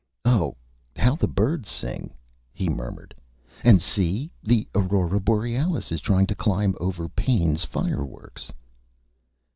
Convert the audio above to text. "Oh, how the Birds sing!" he murmured. "And see! The Aurora Borealis is trying to climb over Pain's Fire Works."